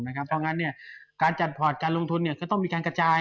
เพราะงั้นการจัดพอร์ตการลงทุนก็ต้องมีการกระจาย